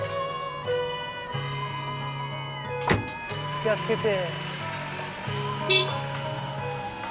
気をつけて。